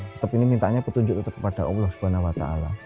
tetapi ini mintaannya petunjuk kepada allah swt